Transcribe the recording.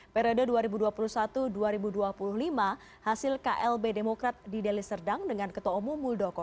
periode dua ribu dua puluh satu dua ribu dua puluh lima hasil klb demokrat di deli serdang dengan ketua umum muldoko